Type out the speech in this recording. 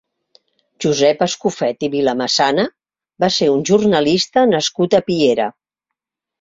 Josep Escofet i Vilamasana va ser un jornalista nascut a Piera.